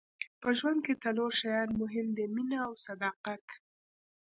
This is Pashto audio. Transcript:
په ژوند کې څلور شیان مهم دي مینه او صداقت.